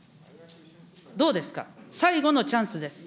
どうですか、最後のチャンスです。